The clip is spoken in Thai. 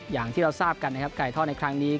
อย่างที่เราทราบกันนะครับการแข่งขันในครั้งนี้